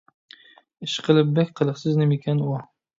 ئىشقىلىپ، بەك قىلىقسىز نېمىكەن ئۇ!